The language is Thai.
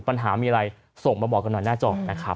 ปัญหามีอะไรส่งมาบอกกันหน่อยหน้าจอนะครับ